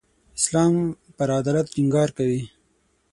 اسلام پر عدالت ټینګار کوي.